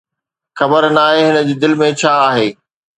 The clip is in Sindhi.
خبر ناهي، هن جي دل ۾ ڇا آهي؟